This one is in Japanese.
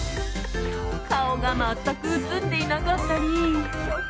顔が全く写っていなかったり。